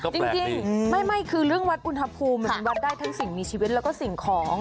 จริงไม่คือเรื่องวัดอุณหภูมิมันวัดได้ทั้งสิ่งมีชีวิตแล้วก็สิ่งของ